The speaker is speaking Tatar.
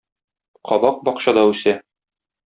Кабак бакчада үсә.